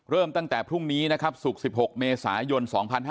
ตั้งแต่พรุ่งนี้นะครับศุกร์๑๖เมษายน๒๕๕๙